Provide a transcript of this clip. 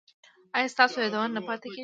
ایا ستاسو یادونه نه پاتې کیږي؟